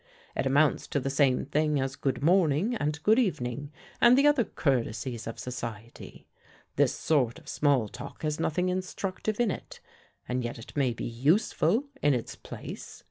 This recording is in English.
It amounts to the same thing as 'good morning,' and 'good evening,' and the other courtesies of society. This sort of small talk has nothing instructive in it, and yet it may be useful in its place.